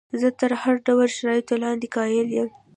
زه تر هر ډول شرایطو لاندې قایل یم.